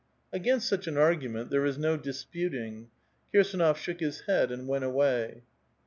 Against such an argument there is no disputing. Kirsdnof shook his head and went away.